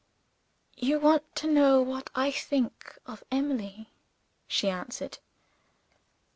"You want to know what I think of Emily," she answered.